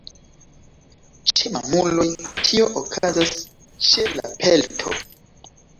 Ĉe mamuloj tio okazas ĉe la pelto.